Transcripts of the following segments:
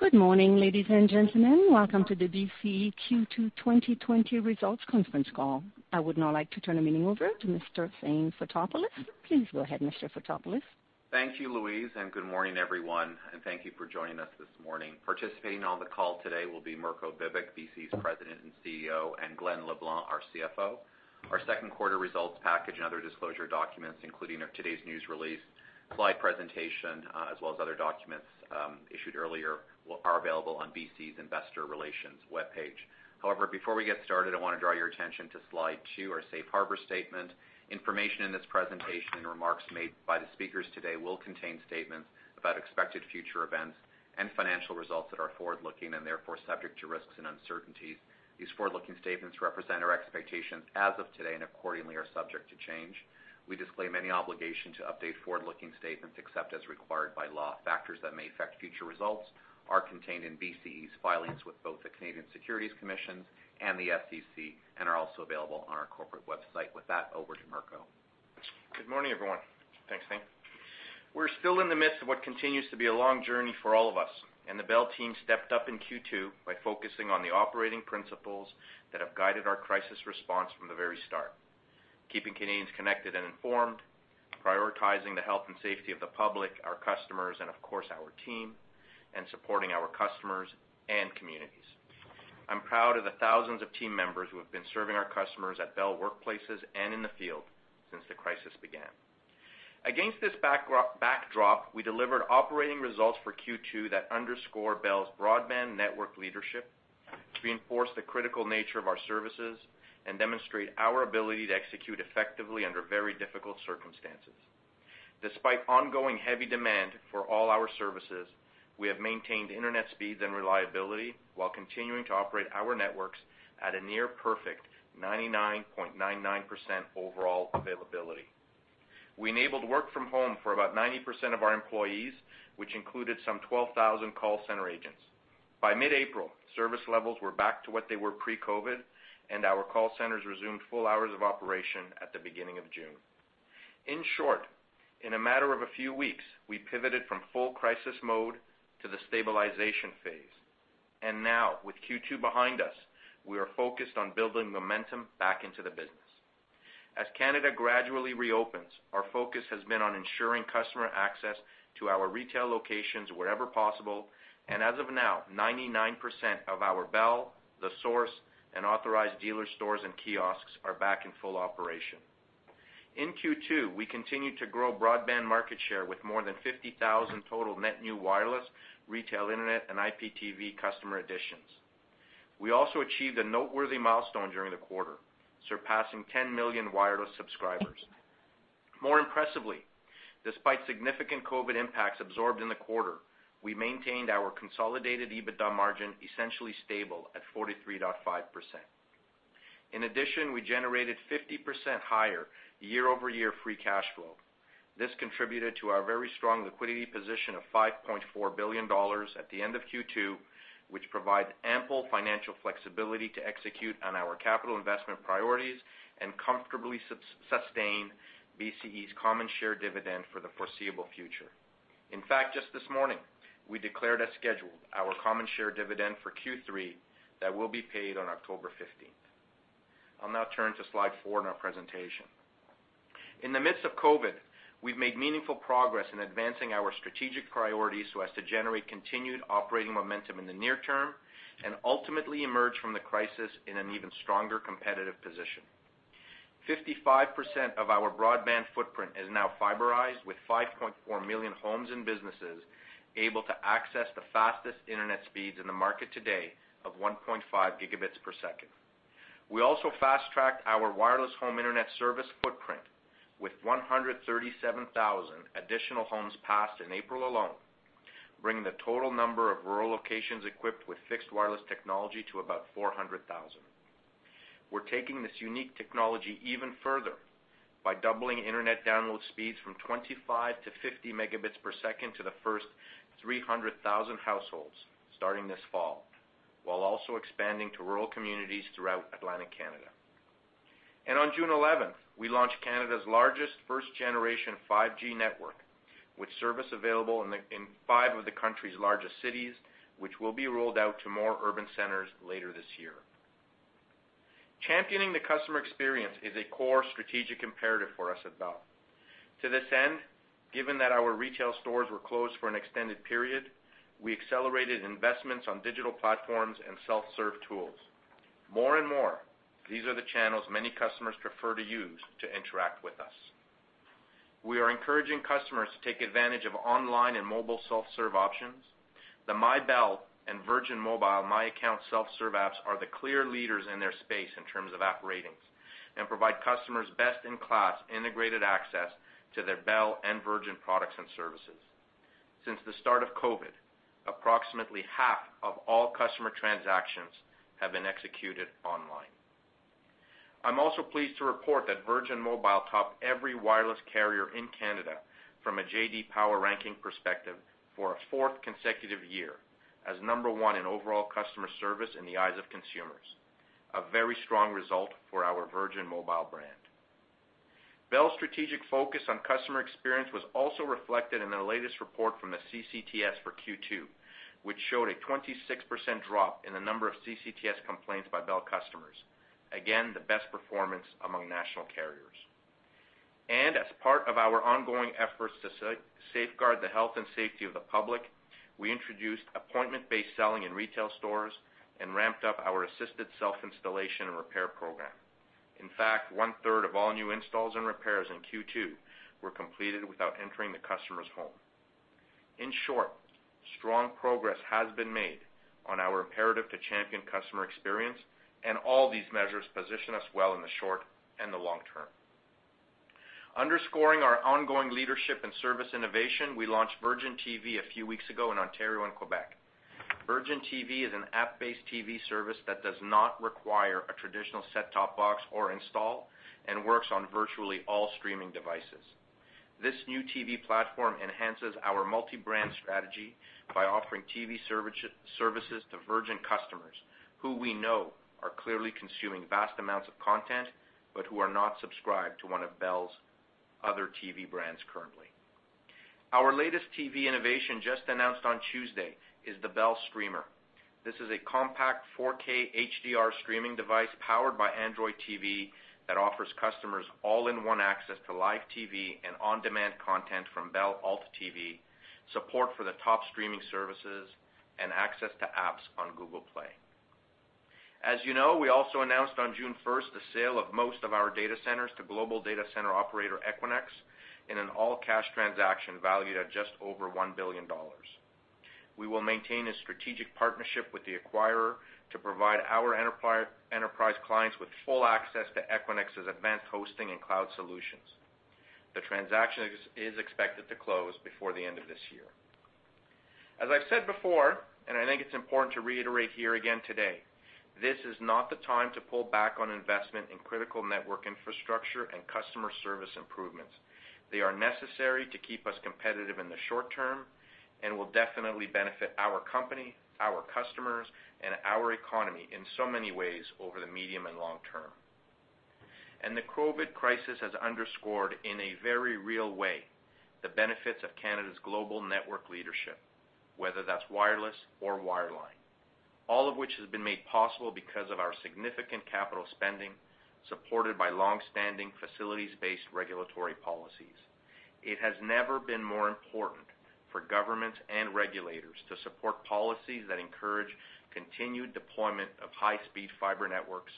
Good morning, ladies and gentlemen. Welcome to the BCE Q2 2020 results conference call. I would now like to turn the meeting over to Mr. Thane Fotopoulos. Please go ahead, Mr. Fotopoulos. Thank you, Louise, and good morning, everyone. Thank you for joining us this morning. Participating on the call today will be Mirko Bibic, BCE's President and CEO, and Glen LeBlanc, our CFO. Our second quarter results package and other disclosure documents, including today's news release, slide presentation, as well as other documents issued earlier, are available on BCE's Investor Relations webpage. However, before we get started, I want to draw your attention to slide two, our Safe Harbor Statement. Information in this presentation and remarks made by the speakers today will contain statements about expected future events and financial results that are forward-looking and therefore subject to risks and uncertainties. These forward-looking statements represent our expectations as of today and accordingly are subject to change. We disclaim any obligation to update forward-looking statements except as required by law. Factors that may affect future results are contained in BCE's filings with both the Canadian securities commissions and the SEC and are also available on our corporate website. With that, over to Mirko. Good morning, everyone. Thanks, Thane. We're still in the midst of what continues to be a long journey for all of us, and the Bell team stepped up in Q2 by focusing on the operating principles that have guided our crisis response from the very start: keeping Canadians connected and informed, prioritizing the health and safety of the public, our customers, and of course our team, and supporting our customers and communities. I'm proud of the thousands of team members who have been serving our customers at Bell workplaces and in the field since the crisis began. Against this backdrop, we delivered operating results for Q2 that underscore Bell's broadband network leadership, reinforce the critical nature of our services, and demonstrate our ability to execute effectively under very difficult circumstances. Despite ongoing heavy demand for all our services, we have maintained Internet speeds and reliability while continuing to operate our networks at a near-perfect 99.99% overall availability. We enabled work from home for about 90% of our employees, which included some 12,000 call center agents. By mid-April, service levels were back to what they were pre-COVID, and our call centers resumed full hours of operation at the beginning of June. In short, in a matter of a few weeks, we pivoted from full crisis mode to the stabilization phase. Now, with Q2 behind us, we are focused on building momentum back into the business. As Canada gradually reopens, our focus has been on ensuring customer access to our retail locations wherever possible, and as of now, 99% of our Bell, The Source, and authorized dealer stores and kiosks are back in full operation. In Q2, we continued to grow broadband market share with more than 50,000 total net new Wireless retail Internet and IPTV customer additions. We also achieved a noteworthy milestone during the quarter, surpassing 10 million Wireless subscribers. More impressively, despite significant COVID impacts absorbed in the quarter, we maintained our consolidated EBITDA margin essentially stable at 43.5%. In addition, we generated 50% higher year-over-year free cash flow. This contributed to our very strong liquidity position of 5.4 billion dollars at the end of Q2, which provides ample financial flexibility to execute on our capital investment priorities and comfortably sustain BCE's common share dividend for the foreseeable future. In fact, just this morning, we declared as scheduled our common share dividend for Q3 that will be paid on October 15th. I'll now turn to slide four in our presentation. In the midst of COVID, we've made meaningful progress in advancing our strategic priorities so as to generate continued operating momentum in the near term and ultimately emerge from the crisis in an even stronger competitive position. 55% of our broadband footprint is now fiberized, with 5.4 million homes and businesses able to access the fastest Internet speeds in the market today of 1.5 Gbps. We also fast-tracked our Wireless Home Internet service footprint with 137,000 additional homes passed in April alone, bringing the total number of rural locations equipped with fixed Wireless technology to about 400,000. We're taking this unique technology even further by doubling Internet download speeds from 25 Mbps-50 Mbps to the first 300,000 households starting this fall, while also expanding to rural communities throughout Atlantic Canada. On June 11th, we launched Canada's largest first-generation 5G network, with service available in five of the country's largest cities, which will be rolled out to more urban centers later this year. Championing the customer experience is a core strategic imperative for us at Bell. To this end, given that our retail stores were closed for an extended period, we accelerated investments on digital platforms and self-serve tools. More and more, these are the channels many customers prefer to use to interact with us. We are encouraging customers to take advantage of online and mobile self-serve options. The MyBell and Virgin Mobile My Account self-serve apps are the clear leaders in their space in terms of app ratings and provide customers best-in-class integrated access to their Bell and Virgin products and services. Since the start of COVID, approximately half of all customer transactions have been executed online. I'm also pleased to report that Virgin Mobile topped every Wireless carrier in Canada from a J.D. Power ranking perspective for a fourth consecutive year as number one in overall customer service in the eyes of consumers, a very strong result for our Virgin Mobile brand. Bell's strategic focus on customer experience was also reflected in the latest report from the CCTS for Q2, which showed a 26% drop in the number of CCTS complaints by Bell customers. Again, the best performance among national carriers. As part of our ongoing efforts to safeguard the health and safety of the public, we introduced appointment-based selling in retail stores and ramped up our assisted self-installation and repair program. In fact, one-third of all new installs and repairs in Q2 were completed without entering the customer's home. In short, strong progress has been made on our imperative to champion customer experience, and all these measures position us well in the short and the long term. Underscoring our ongoing leadership and service innovation, we launched Virgin TV a few weeks ago in Ontario and Quebec. Virgin TV is an app-based TV service that does not require a traditional set-top box or install and works on virtually all streaming devices. This new TV platform enhances our multi-brand strategy by offering TV services to Virgin customers who we know are clearly consuming vast amounts of content but who are not subscribed to one of Bell's other TV brands currently. Our latest TV innovation just announced on Tuesday is the Bell Streamer. This is a compact 4K HDR streaming device powered by Android TV that offers customers all-in-one access to live TV and on-demand content from Bell Alt TV, support for the top streaming services, and access to apps on Google Play. As you know, we also announced on June 1 the sale of most of our data centers to global data center operator Equinix in an all-cash transaction valued at just over 1 billion dollars. We will maintain a strategic partnership with the acquirer to provide our enterprise clients with full access to Equinix's advanced hosting and cloud solutions. The transaction is expected to close before the end of this year. As I've said before, and I think it's important to reiterate here again today, this is not the time to pull back on investment in critical network infrastructure and customer service improvements. They are necessary to keep us competitive in the short term and will definitely benefit our company, our customers, and our economy in so many ways over the medium and long term. The COVID crisis has underscored in a very real way the benefits of Canada's global network leadership, whether that's Wireless or Wireline, all of which has been made possible because of our significant capital spending supported by long-standing facilities-based regulatory policies. It has never been more important for governments and regulators to support policies that encourage continued deployment of high-speed fiber networks,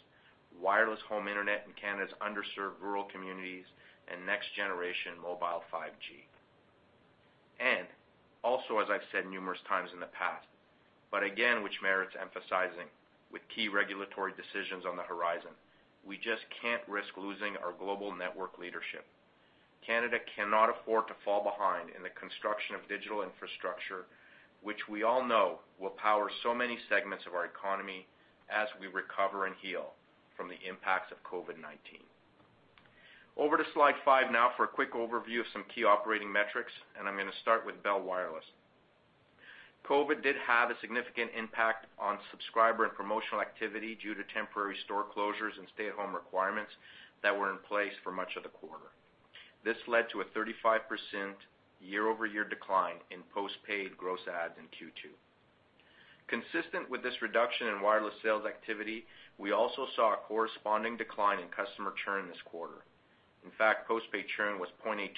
Wireless Home Internet in Canada's underserved rural communities, and next-generation mobile 5G. Also, as I've said numerous times in the past, but again, which merits emphasizing with key regulatory decisions on the horizon, we just can't risk losing our global network leadership. Canada cannot afford to fall behind in the construction of digital infrastructure, which we all know will power so many segments of our economy as we recover and heal from the impacts of COVID-19. Over to slide five now for a quick overview of some key operating metrics, and I'm going to start with Bell Wireless. COVID did have a significant impact on subscriber and promotional activity due to temporary store closures and stay-at-home requirements that were in place for much of the quarter. This led to a 35% year-over-year decline in postpaid gross adds in Q2. Consistent with this reduction in Wireless sales activity, we also saw a corresponding decline in customer churn this quarter. In fact, postpaid churn was 0.82%,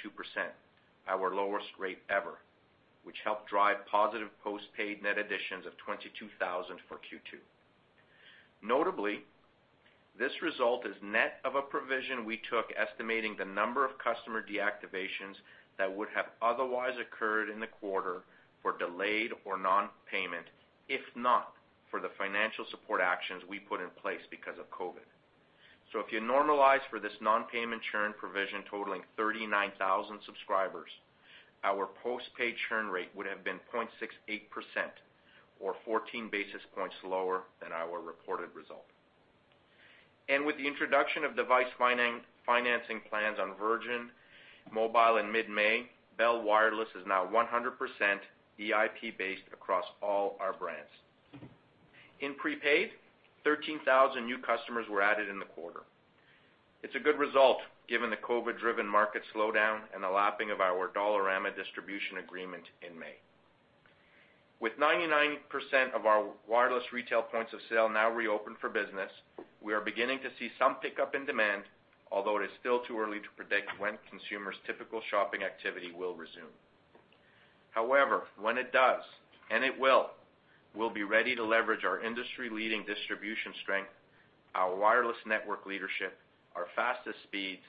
our lowest rate ever, which helped drive positive postpaid net additions of 22,000 for Q2. Notably, this result is net of a provision we took estimating the number of customer deactivations that would have otherwise occurred in the quarter for delayed or non-payment, if not for the financial support actions we put in place because of COVID. If you normalize for this non-payment churn provision totaling 39,000 subscribers, our postpaid churn rate would have been 0.68% or 14 basis points lower than our reported result. With the introduction of device financing plans on Virgin Mobile in mid-May, Bell Wireless is now 100% EIP-based across all our brands. In prepaid, 13,000 new customers were added in the quarter. It is a good result given the COVID-driven market slowdown and the lapping of our Dollarama distribution agreement in May. With 99% of our Wireless retail points of sale now reopened for business, we are beginning to see some pickup in demand, although it is still too early to predict when consumers' typical shopping activity will resume. However, when it does, and it will, we will be ready to leverage our industry-leading distribution strength, our Wireless network leadership, our fastest speeds,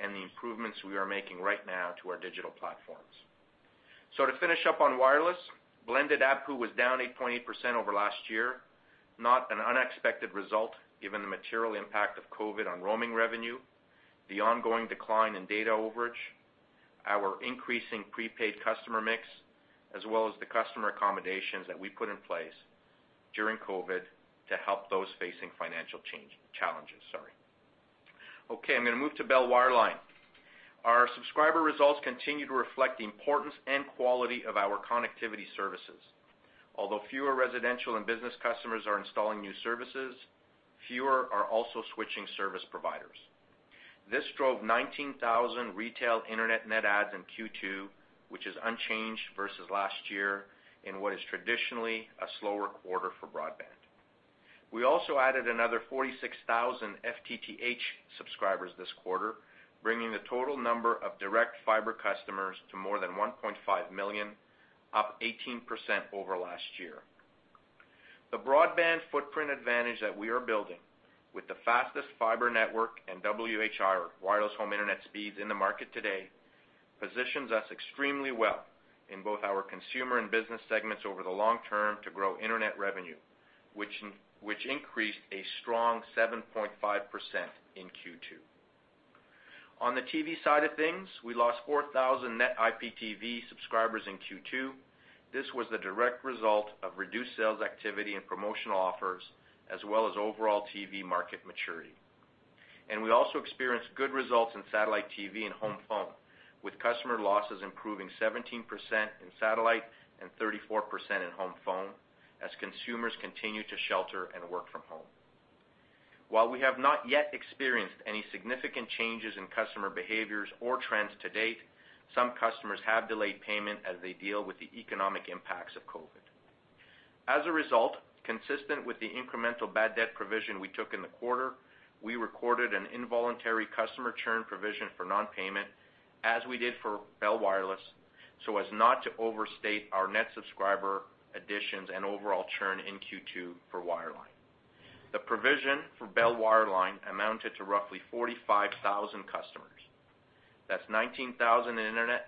and the improvements we are making right now to our digital platforms. To finish up on Wireless, blended ARPU was down 8.8% over last year, not an unexpected result given the material impact of COVID on roaming revenue, the ongoing decline in data overage, our increasing prepaid customer mix, as well as the customer accommodations that we put in place during COVID to help those facing financial challenges. Sorry. Okay, I am going to move to Bell Wireline. Our subscriber results continue to reflect the importance and quality of our connectivity services. Although fewer residential and business customers are installing new services, fewer are also switching service providers. This drove 19,000 retail Internet net adds in Q2, which is unchanged versus last year in what is traditionally a slower quarter for broadband. We also added another 46,000 FTTH subscribers this quarter, bringing the total number of direct fiber customers to more than 1.5 million, up 18% over last year. The broadband footprint advantage that we are building, with the fastest fiber network and Wireless Home Internet speeds in the market today, positions us extremely well in both our consumer and business segments over the long term to grow Internet revenue, which increased a strong 7.5% in Q2. On the TV side of things, we lost 4,000 net IPTV subscribers in Q2. This was the direct result of reduced sales activity and promotional offers, as well as overall TV market maturity. We also experienced good results in satellite TV and home phone, with customer losses improving 17% in satellite and 34% in home phone as consumers continue to shelter and work from home. While we have not yet experienced any significant changes in customer behaviors or trends to date, some customers have delayed payment as they deal with the economic impacts of COVID. As a result, consistent with the incremental bad debt provision we took in the quarter, we recorded an involuntary customer churn provision for non-payment as we did for Bell Wireless, so as not to overstate our net subscriber additions and overall churn in Q2 for Wireline. The provision for Bell Wireline amounted to roughly 45,000 customers. That's 19,000 in Internet,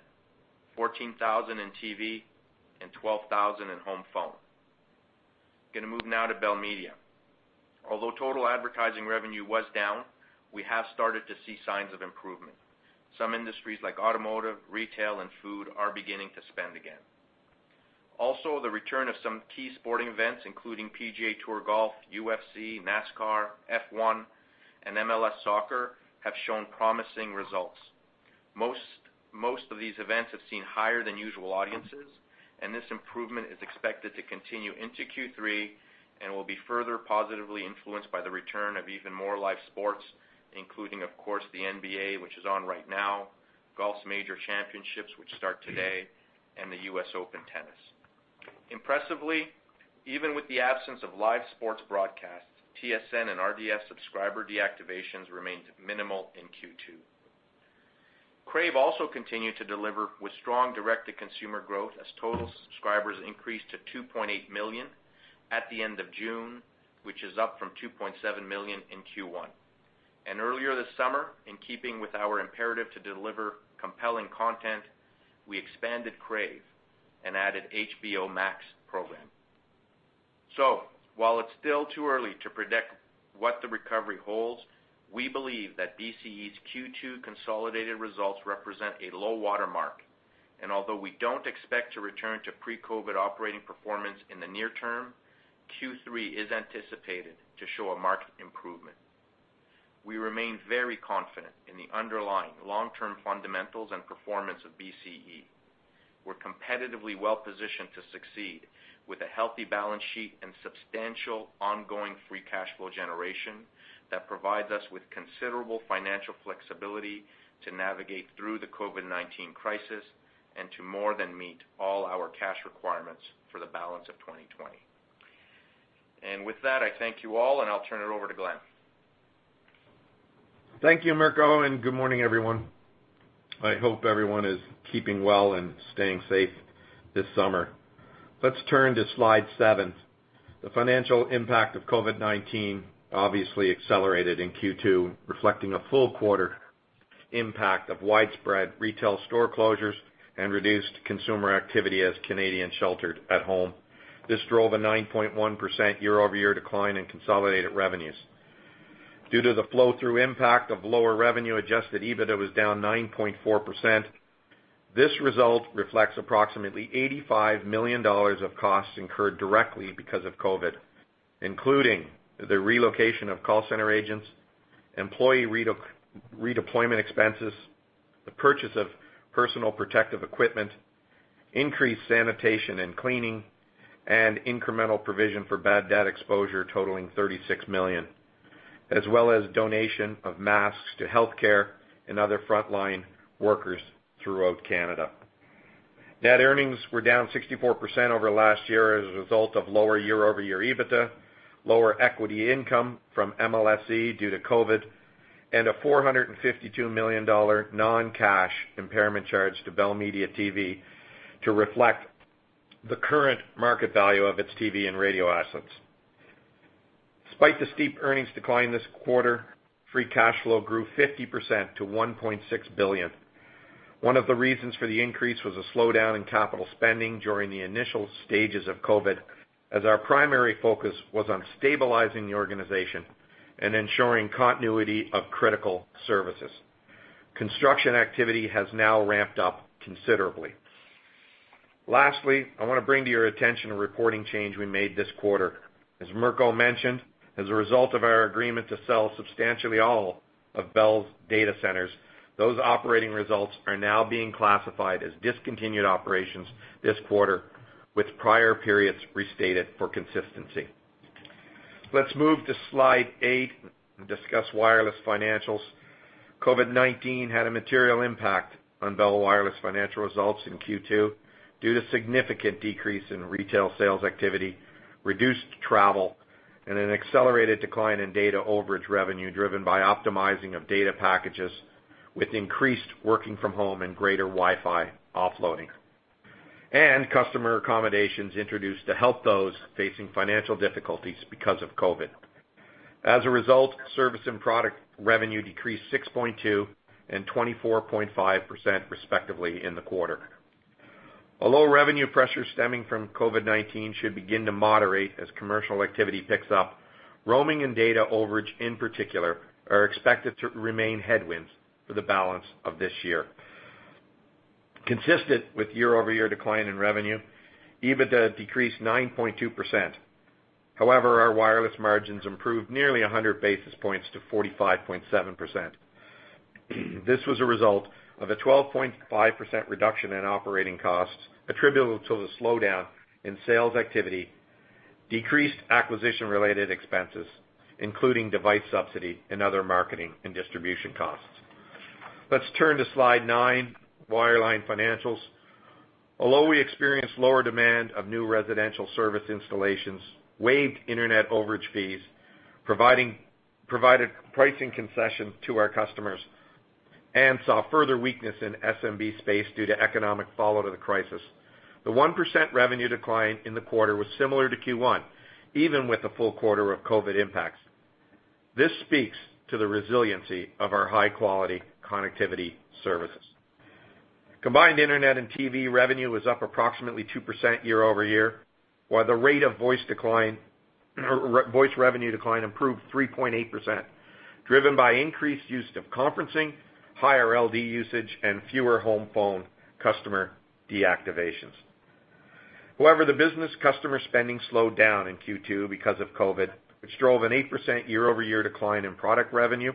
14,000 in TV, and 12,000 in home phone. Going to move now to Bell Media. Although total advertising revenue was down, we have started to see signs of improvement. Some industries like automotive, retail, and food are beginning to spend again. Also, the return of some key sporting events, including PGA TOUR golf, UFC, NASCAR, F1, and MLS soccer, have shown promising results. Most of these events have seen higher-than-usual audiences, and this improvement is expected to continue into Q3 and will be further positively influenced by the return of even more live sports, including, of course, the NBA, which is on right now, golf's major championships, which start today, and the US Open tennis. Impressively, even with the absence of live sports broadcasts, TSN and RDS subscriber deactivations remained minimal in Q2. Crave also continued to deliver with strong direct-to-consumer growth as total subscribers increased to 2.8 million at the end of June, which is up from 2.7 million in Q1. Earlier this summer, in keeping with our imperative to deliver compelling content, we expanded Crave and added HBO Max program. While it is still too early to predict what the recovery holds, we believe that BCE's Q2 consolidated results represent a low-water mark. Although we do not expect to return to pre-COVID operating performance in the near term, Q3 is anticipated to show a marked improvement. We remain very confident in the underlying long-term fundamentals and performance of BCE. We're competitively well-positioned to succeed with a healthy balance sheet and substantial ongoing free cash flow generation that provides us with considerable financial flexibility to navigate through the COVID-19 crisis and to more than meet all our cash requirements for the balance of 2020. I thank you all, and I'll turn it over to Glen. Thank you, Mirko, and good morning, everyone. I hope everyone is keeping well and staying safe this summer. Let's turn to slide seven. The financial impact of COVID-19 obviously accelerated in Q2, reflecting a full quarter impact of widespread retail store closures and reduced consumer activity as Canadians sheltered at home. This drove a 9.1% year-over-year decline in consolidated revenues. Due to the flow-through impact of lower revenue-adjusted EBITDA, it was down 9.4%. This result reflects approximately 85 million dollars of costs incurred directly because of COVID, including the relocation of call center agents, employee redeployment expenses, the purchase of personal protective equipment, increased sanitation and cleaning, and incremental provision for bad debt exposure totaling 36 million, as well as donation of masks to healthcare and other frontline workers throughout Canada. Net earnings were down 64% over last year as a result of lower year-over-year EBITDA, lower equity income from MLSE due to COVID, and a 452 million dollar non-cash impairment charge to Bell Media TV to reflect the current market value of its TV and radio assets. Despite the steep earnings decline this quarter, free cash flow grew 50% to 1.6 billion. One of the reasons for the increase was a slowdown in capital spending during the initial stages of COVID, as our primary focus was on stabilizing the organization and ensuring continuity of critical services. Construction activity has now ramped up considerably. Lastly, I want to bring to your attention a reporting change we made this quarter. As Mirko mentioned, as a result of our agreement to sell substantially all of Bell's data centers, those operating results are now being classified as discontinued operations this quarter, with prior periods restated for consistency. Let's move to slide eight and discuss Wireless financials. COVID-19 had a material impact on Bell Wireless financial results in Q2 due to significant decrease in retail sales activity, reduced travel, and an accelerated decline in data overage revenue driven by optimizing of data packages with increased working from home and greater Wi-Fi offloading. Customer accommodations introduced to help those facing financial difficulties because of COVID. As a result, service and product revenue decreased 6.2% and 24.5% respectively in the quarter. Although revenue pressures stemming from COVID-19 should begin to moderate as commercial activity picks up, roaming and data overage in particular are expected to remain headwinds for the balance of this year. Consistent with year-over-year decline in revenue, EBITDA decreased 9.2%. However, our Wireless margins improved nearly 100 basis points to 45.7%. This was a result of a 12.5% reduction in operating costs attributable to the slowdown in sales activity, decreased acquisition-related expenses, including device subsidy and other marketing and distribution costs. Let's turn to slide nine, Wireline financials. Although we experienced lower demand of new residential service installations, waived Internet overage fees, provided pricing concession to our customers, and saw further weakness in the SMB space due to economic fallout of the crisis, the 1% revenue decline in the quarter was similar to Q1, even with the full quarter of COVID impacts. This speaks to the resiliency of our high-quality connectivity services. Combined Internet and TV revenue was up approximately 2% year-over-year, while the rate of voice revenue decline improved 3.8%, driven by increased use of conferencing, higher LD usage, and fewer home phone customer deactivations. However, the business customer spending slowed down in Q2 because of COVID, which drove an 8% year-over-year decline in product revenue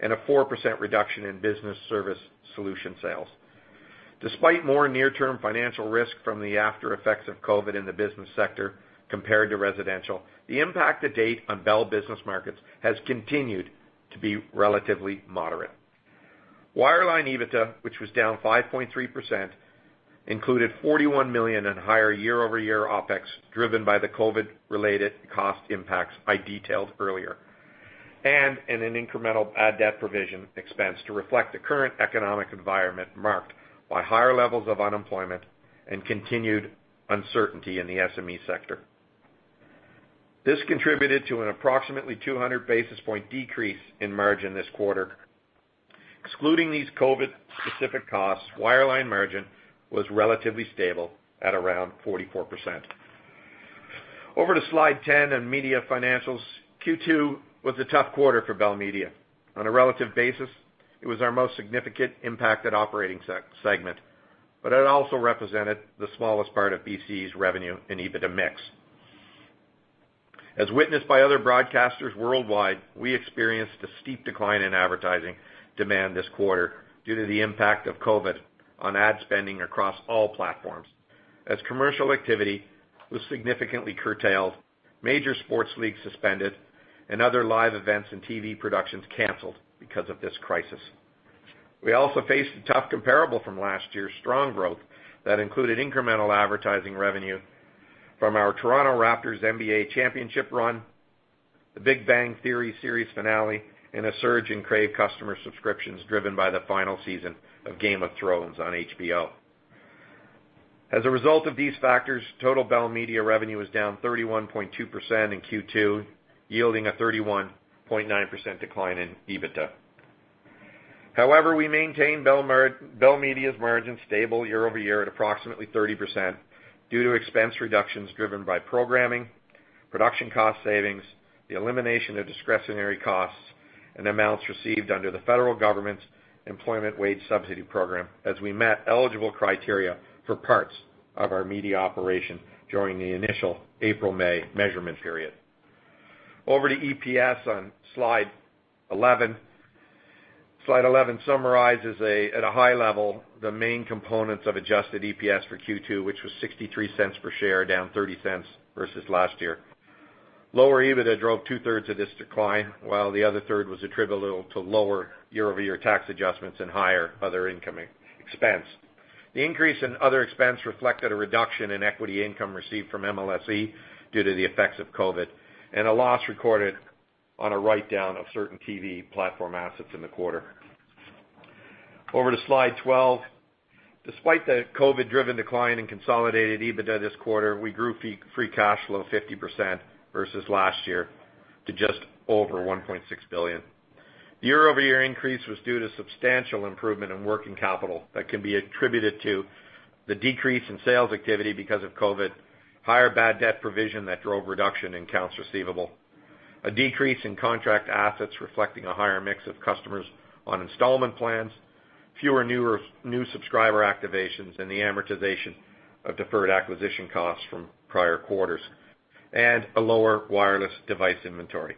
and a 4% reduction in business service solution sales. Despite more near-term financial risk from the aftereffects of COVID in the business sector compared to residential, the impact to date on Bell Business Markets has continued to be relatively moderate. Wireline EBITDA, which was down 5.3%, included 41 million in higher year-over-year OpEx driven by the COVID-related cost impacts I detailed earlier, and an incremental bad debt provision expense to reflect the current economic environment marked by higher levels of unemployment and continued uncertainty in the SME sector. This contributed to an approximately 200 basis point decrease in margin this quarter. Excluding these COVID-specific costs, Wireline margin was relatively stable at around 44%. Over to slide 10 and media financials. Q2 was a tough quarter for Bell Media. On a relative basis, it was our most significant impacted operating segment, but it also represented the smallest part of BCE's revenue and EBITDA mix. As witnessed by other broadcasters worldwide, we experienced a steep decline in advertising demand this quarter due to the impact of COVID on ad spending across all platforms. As commercial activity was significantly curtailed, major sports leagues suspended, and other live events and TV productions canceled because of this crisis. We also faced a tough comparable from last year's strong growth that included incremental advertising revenue from our Toronto Raptors NBA championship run, the Big Bang Theory series finale, and a surge in Crave customer subscriptions driven by the final season of Game of Thrones on HBO. As a result of these factors, total Bell Media revenue was down 31.2% in Q2, yielding a 31.9% decline in EBITDA. However, we maintained Bell Media's margin stable year-over-year at approximately 30% due to expense reductions driven by programming, production cost savings, the elimination of discretionary costs, and amounts received under the federal government's employment wage subsidy program as we met eligible criteria for parts of our media operation during the initial April-May measurement period. Over to EPS on slide 11. Slide 11 summarizes, at a high level, the main components of adjusted EPS for Q2, which was 0.63 per share, down 0.30 versus last year. Lower EBITDA drove two-thirds of this decline, while the other third was attributable to lower year-over-year tax adjustments and higher other income expense. The increase in other expense reflected a reduction in equity income received from MLSE due to the effects of COVID and a loss recorded on a write-down of certain TV platform assets in the quarter. Over to slide 12. Despite the COVID-driven decline in consolidated EBITDA this quarter, we grew free cash flow 50% versus last year to just over CAD 1.6 billion. The year-over-year increase was due to substantial improvement in working capital that can be attributed to the decrease in sales activity because of COVID, higher bad debt provision that drove reduction in accounts receivable, a decrease in contract assets reflecting a higher mix of customers on installment plans, fewer new subscriber activations, and the amortization of deferred acquisition costs from prior quarters, and a lower Wireless device inventory.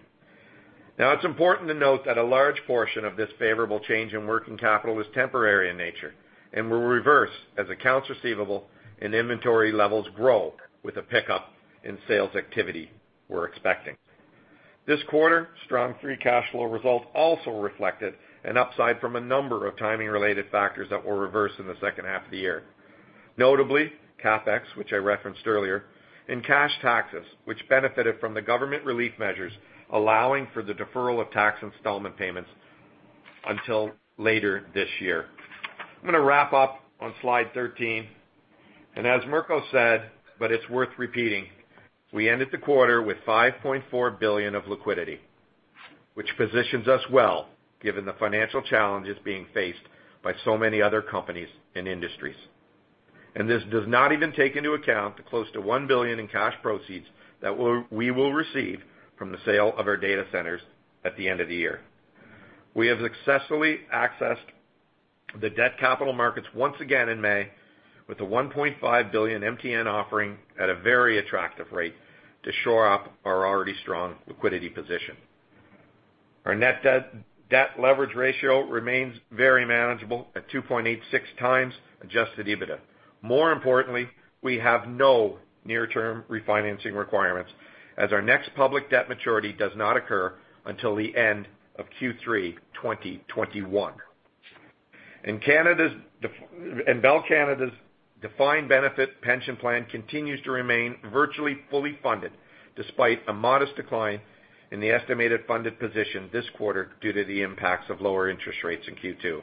Now, it's important to note that a large portion of this favorable change in working capital is temporary in nature and will reverse as accounts receivable and inventory levels grow with a pickup in sales activity we're expecting. This quarter, strong free cash flow results also reflected an upside from a number of timing-related factors that were reversed in the second half of the year. Notably, CapEx, which I referenced earlier, and cash taxes, which benefited from the government relief measures allowing for the deferral of tax installment payments until later this year. I am going to wrap up on slide 13. As Mirko said, but it is worth repeating, we ended the quarter with 5.4 billion of liquidity, which positions us well given the financial challenges being faced by so many other companies and industries. This does not even take into account the close to 1 billion in cash proceeds that we will receive from the sale of our data centers at the end of the year. We have successfully accessed the debt capital markets once again in May with a 1.5 billion MTN offering at a very attractive rate to shore up our already strong liquidity position. Our net debt leverage ratio remains very manageable at 2.86 times Adjusted EBITDA. More importantly, we have no near-term refinancing requirements as our next public debt maturity does not occur until the end of Q3 2021. Bell Canada's defined benefit pension plan continues to remain virtually fully funded despite a modest decline in the estimated funded position this quarter due to the impacts of lower interest rates in Q2.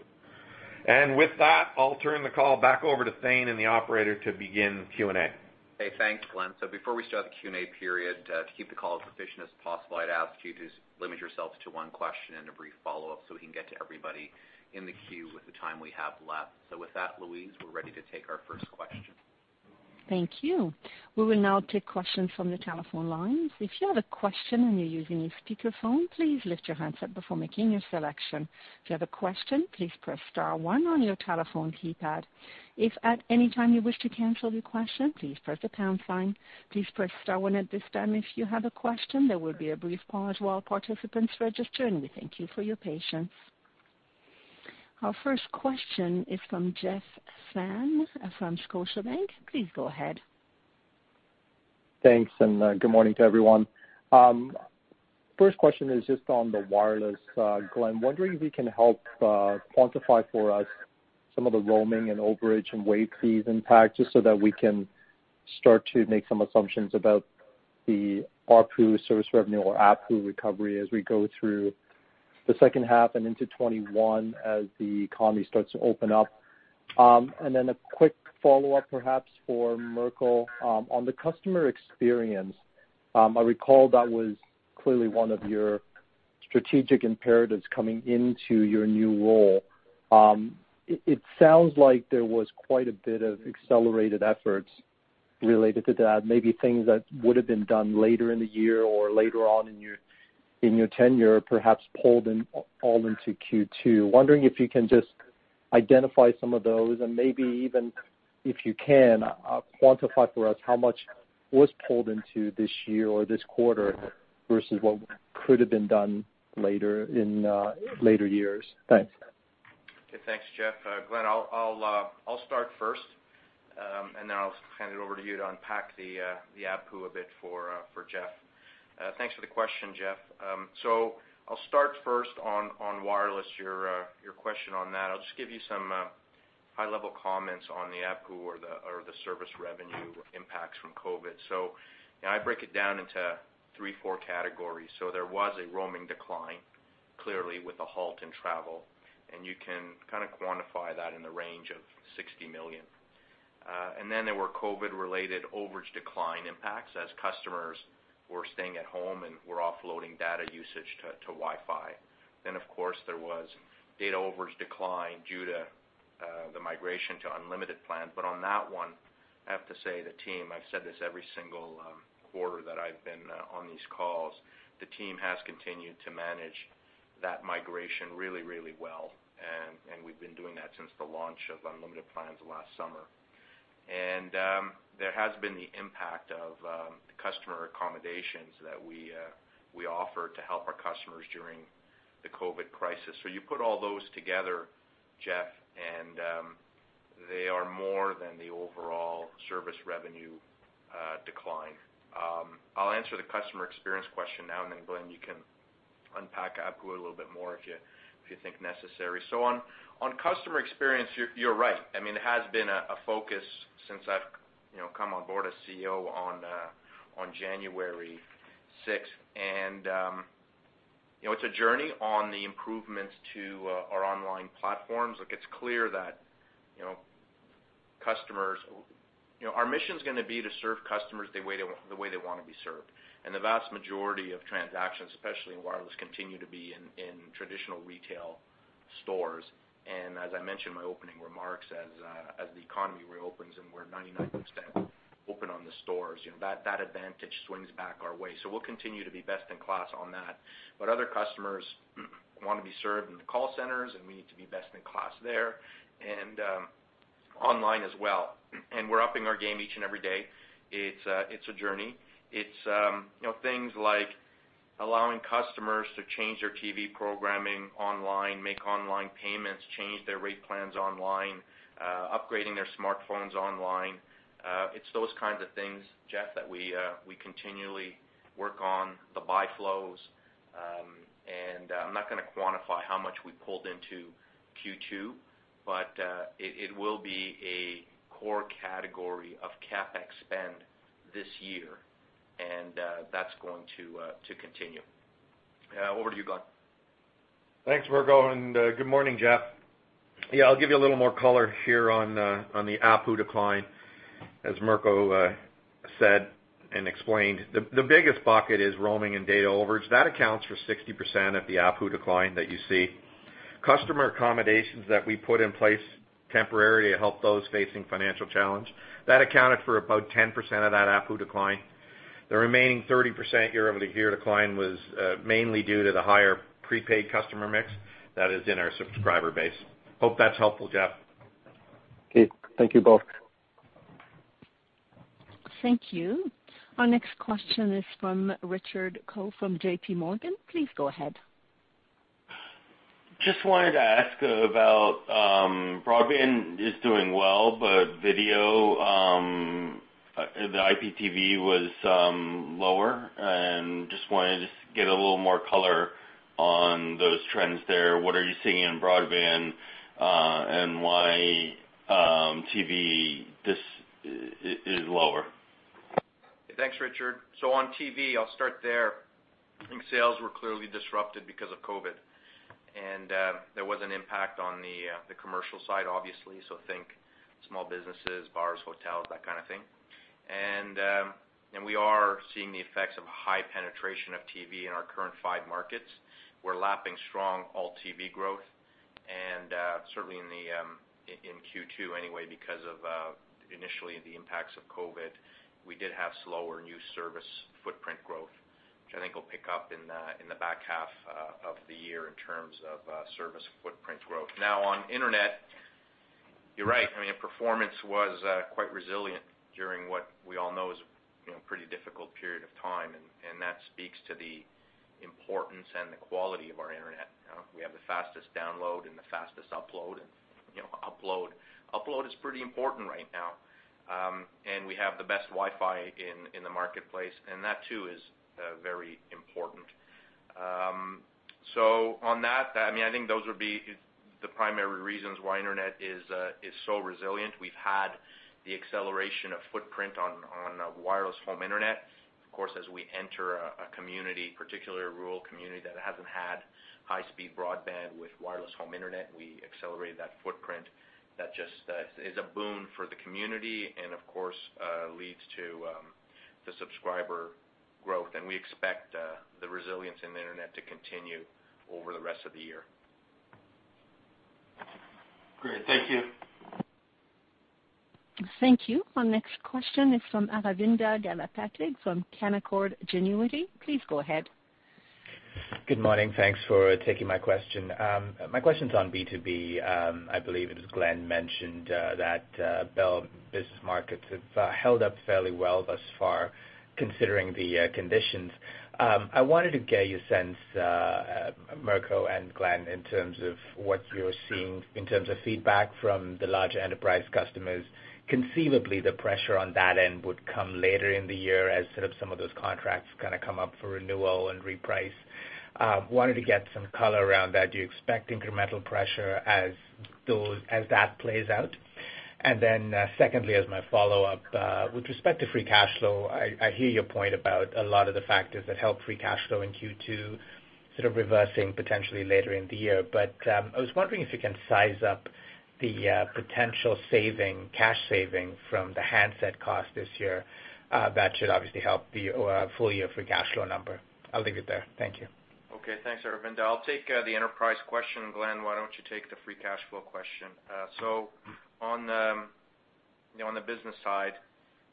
With that, I'll turn the call back over to Thane and the operator to begin Q&A. Thanks, Glen. Before we start the Q&A period, to keep the call as efficient as possible, I'd ask you to limit yourselves to one question and a brief follow-up so we can get to everybody in the queue with the time we have left. With that, Louise, we're ready to take our first question. Thank you. We will now take questions from the telephone lines. If you have a question and you're using a speakerphone, please lift your handset before making your selection. If you have a question, please press star one on your telephone keypad. If at any time you wish to cancel your question, please press the pound sign. Please press star one at this time if you have a question. There will be a brief pause while participants register, and we thank you for your patience. Our first question is from Jeff Fan from Scotiabank. Please go ahead. Thanks, and good morning to everyone. First question is just on the Wireless. Glen, wondering if you can help quantify for us some of the roaming and overage and waive fees impact just so that we can start to make some assumptions about the ARPU service revenue or ARPU recovery as we go through the second half and into 2021 as the economy starts to open up. A quick follow-up perhaps for Mirko. On the customer experience, I recall that was clearly one of your strategic imperatives coming into your new role. It sounds like there was quite a bit of accelerated efforts related to that, maybe things that would have been done later in the year or later on in your tenure, perhaps pulled all into Q2. Wondering if you can just identify some of those and maybe even if you can, quantify for us how much was pulled into this year or this quarter versus what could have been done later in later years. Thanks. Okay. Thanks, Jeff. Glen, I'll start first, and then I'll hand it over to you to unpack the ARPU a bit for Jeff. Thanks for the question, Jeff. I'll start first on Wireless, your question on that. I'll just give you some high-level comments on the ARPU or the service revenue impacts from COVID. I break it down into three, four categories. There was a roaming decline clearly with a halt in travel, and you can kind of quantify that in the range of 60 million. Then there were COVID-related overage decline impacts as customers were staying at home and were offloading data usage to Wi-Fi. Of course, there was data overage decline due to the migration to unlimited plans. On that one, I have to say the team, I've said this every single quarter that I've been on these calls, the team has continued to manage that migration really, really well. We've been doing that since the launch of unlimited plans last summer. There has been the impact of customer accommodations that we offered to help our customers during the COVID crisis. You put all those together, Jeff, and they are more than the overall service revenue decline. I'll answer the customer experience question now, and then, Glen, you can unpack ARPU a little bit more if you think necessary. On customer experience, you're right. I mean, it has been a focus since I've come on board as CEO on January 6th. It is a journey on the improvements to our online platforms. It is clear that our mission is going to be to serve customers the way they want to be served. The vast majority of transactions, especially in Wireless, continue to be in traditional retail stores. As I mentioned in my opening remarks, as the economy reopens and we are 99% open on the stores, that advantage swings back our way. We will continue to be best in class on that. Other customers want to be served in the call centers, and we need to be best in class there and online as well. We are upping our game each and every day. It is a journey. It is things like allowing customers to change their TV programming online, make online payments, change their rate plans online, upgrading their smartphones online. It's those kinds of things, Jeff, that we continually work on, the buy flows. I'm not going to quantify how much we pulled into Q2, but it will be a core category of CapEx spend this year, and that's going to continue. Over to you, Glen. Thanks, Mirko. Good morning, Jeff. Yeah, I'll give you a little more color here on the ARPU decline. As Mirko said and explained, the biggest bucket is roaming and data overage. That accounts for 60% of the ARPU decline that you see. Customer accommodations that we put in place temporarily to help those facing financial challenge, that accounted for about 10% of that ARPU decline. The remaining 30% year-over-the-year decline was mainly due to the higher prepaid customer mix that is in our subscriber base. Hope that's helpful, Jeff. Okay. Thank you both. Thank you. Our next question is from Richard Choe from JPMorgan. Please go ahead. Just wanted to ask about broadband is doing well, but video, the IPTV was lower. Just wanted to get a little more color on those trends there. What are you seeing in broadband and why TV is lower? Thanks, Richard. On TV, I'll start there. I think sales were clearly disrupted because of COVID. There was an impact on the commercial side, obviously, so think small businesses, bars, hotels, that kind of thing. We are seeing the effects of high penetration of TV in our current five markets. We're lapping strong Alt TV growth. Certainly in Q2 anyway because of initially the impacts of COVID, we did have slower new service footprint growth, which I think will pick up in the back half of the year in terms of service footprint growth. Now, on Internet, you're right. I mean, performance was quite resilient during what we all know is a pretty difficult period of time. That speaks to the importance and the quality of our Internet. We have the fastest download and the fastest upload. Upload is pretty important right now. We have the best Wi-Fi in the marketplace. That too is very important. On that, I mean, I think those would be the primary reasons why Internet is so resilient. We've had the acceleration of footprint on Wireless Home Internet. Of course, as we enter a community, particularly a rural community that hasn't had high-speed broadband with Wireless Home Internet, we accelerate that footprint. That just is a boon for the community and, of course, leads to the subscriber growth. We expect the resilience in the Internet to continue over the rest of the year. Great. Thank you. Thank you. Our next question is from Aravinda Galappatthige from Canaccord Genuity. Please go ahead. Good morning. Thanks for taking my question. My question's on B2B. I believe it was Glen mentioned that Bell Business Markets have held up fairly well thus far considering the conditions. I wanted to get your sense, Mirko and Glen, in terms of what you're seeing in terms of feedback from the larger enterprise customers. Conceivably, the pressure on that end would come later in the year as some of those contracts kind of come up for renewal and reprice. Wanted to get some color around that. Do you expect incremental pressure as that plays out? Then secondly, as my follow-up, with respect to free cash flow, I hear your point about a lot of the factors that help free cash flow in Q2 sort of reversing potentially later in the year. I was wondering if you can size up the potential cash saving from the handset cost this year. That should obviously help the full year free cash flow number. I'll leave it there. Thank you. Okay. Thanks, Aravinda. I'll take the enterprise question. Glen, why don't you take the free cash flow question? On the business side,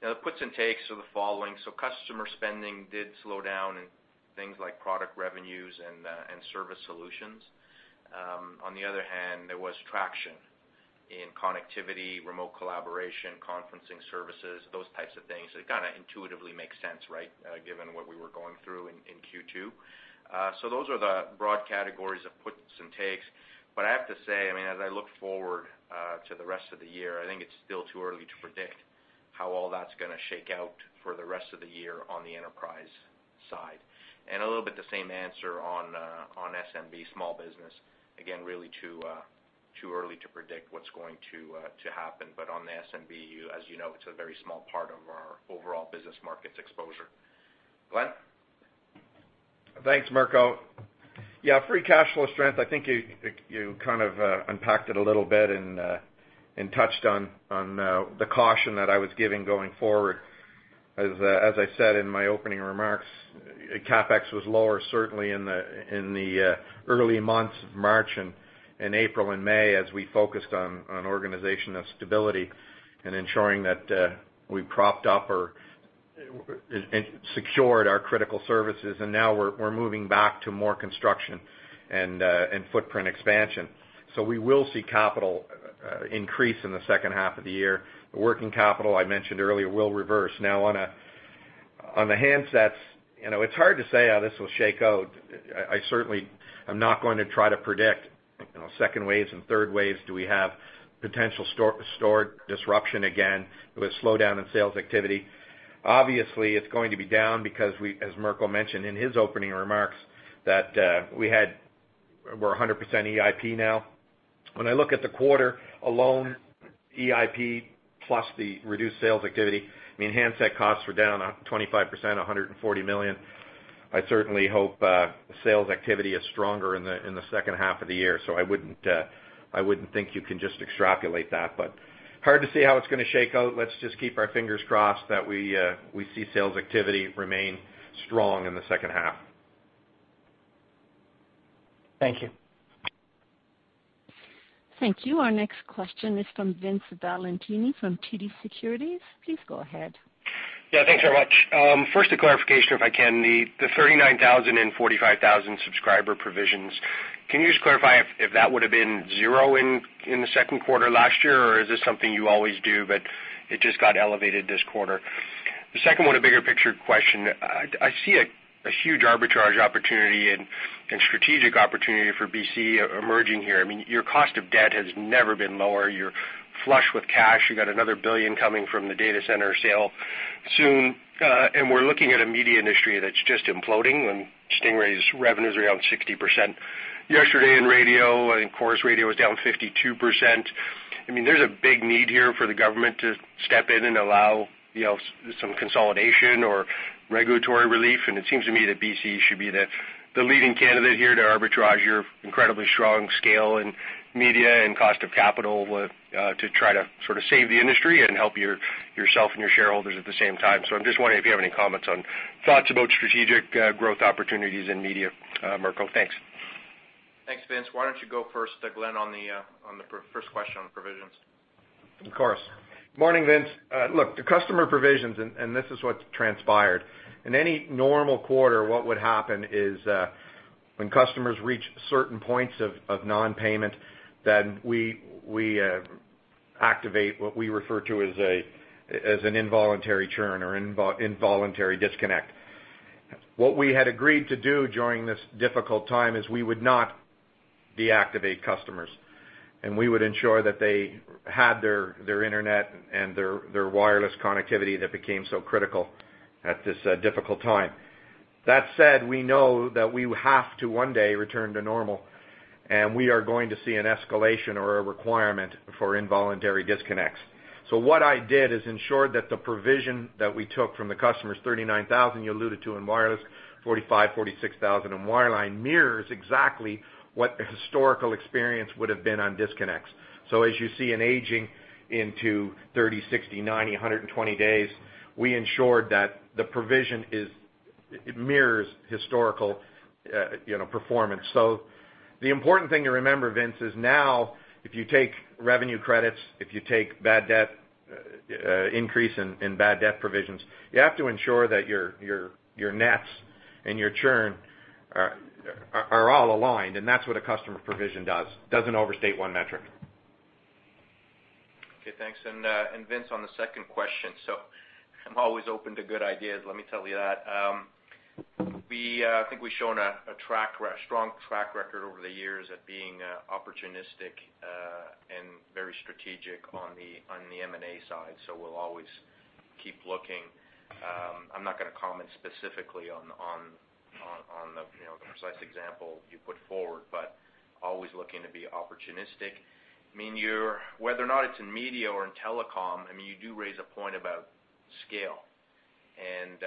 the puts and takes are the following. Customer spending did slow down in things like product revenues and service solutions. On the other hand, there was traction in connectivity, remote collaboration, conferencing services, those types of things. It kind of intuitively makes sense, right, given what we were going through in Q2. Those are the broad categories of puts and takes. I have to say, I mean, as I look forward to the rest of the year, I think it's still too early to predict how all that's going to shake out for the rest of the year on the enterprise side. A little bit the same answer on SMB, small business. Again, really too early to predict what's going to happen. On the SMB, as you know, it's a very small part of our overall business markets exposure. Glen. Thanks, Mirko. Yeah, free cash flow strength, I think you kind of unpacked it a little bit and touched on the caution that I was giving going forward. As I said in my opening remarks, CapEx was lower certainly in the early months of March and April and May as we focused on organizational stability and ensuring that we propped up or secured our critical services. Now we're moving back to more construction and footprint expansion. We will see capital increase in the second half of the year. The working capital I mentioned earlier will reverse. Now, on the handsets, it's hard to say how this will shake out. I certainly am not going to try to predict second waves and third waves. Do we have potential store disruption again with slowdown in sales activity? Obviously, it's going to be down because, as Mirko mentioned in his opening remarks, we're 100% EIP now. When I look at the quarter alone, EIP plus the reduced sales activity, I mean, handset costs were down 25%, 140 million. I certainly hope sales activity is stronger in the second half of the year. I would not think you can just extrapolate that. Hard to see how it is going to shake out. Let us just keep our fingers crossed that we see sales activity remain strong in the second half. Thank you. Thank you. Our next question is from Vince Valentini from TD Securities. Please go ahead. Yeah, thanks very much. First, a clarification if I can. The 39,000 and 45,000 subscriber provisions, can you just clarify if that would have been zero in the second quarter last year, or is this something you always do, but it just got elevated this quarter? The second one, a bigger picture question. I see a huge arbitrage opportunity and strategic opportunity for BCE emerging here. I mean, your cost of debt has never been lower. You are flush with cash. You got another billion coming from the data center sale soon. We're looking at a media industry that's just imploding when Stingray's revenues are around 60%. Yesterday in radio, I think Corus Radio was down 52%. I mean, there's a big need here for the government to step in and allow some consolidation or regulatory relief. It seems to me that BCE should be the leading candidate here to arbitrage your incredibly strong scale in media and cost of capital to try to sort of save the industry and help yourself and your shareholders at the same time. I'm just wondering if you have any comments on thoughts about strategic growth opportunities in media. Mirko, thanks. Thanks, Vince. Why don't you go first, Glen, on the first question on provisions? Of course. Good morning, Vince. Look, the customer provisions, and this is what's transpired. In any normal quarter, what would happen is when customers reach certain points of non-payment, then we activate what we refer to as an involuntary churn or involuntary disconnect. What we had agreed to do during this difficult time is we would not deactivate customers. We would ensure that they had their Internet and their Wireless connectivity that became so critical at this difficult time. That said, we know that we have to one day return to normal. We are going to see an escalation or a requirement for involuntary disconnects. What I did is ensured that the provision that we took from the customers, 39,000 you alluded to in Wireless, 45,000-46,000 in Wireline, mirrors exactly what historical experience would have been on disconnects. As you see an aging into 30, 60, 90, 120 days, we ensured that the provision mirrors historical performance. The important thing to remember, Vince, is now if you take revenue credits, if you take bad debt increase in bad debt provisions, you have to ensure that your nets and your churn are all aligned. That is what a customer provision does. It does not overstate one metric. Okay. Thanks. Vince, on the second question, I am always open to good ideas. Let me tell you that. I think we have shown a strong track record over the years at being opportunistic and very strategic on the M&A side. We will always keep looking. I am not going to comment specifically on the precise example you put forward, but always looking to be opportunistic. I mean, whether or not it is in media or in telecom, I mean, you do raise a point about scale. It